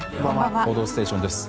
「報道ステーション」です。